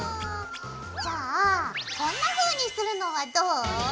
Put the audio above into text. じゃあこんなふうにするのはどう？